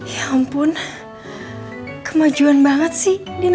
jangan lupa like share dan subscribe ya